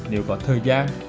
nếu có thời gian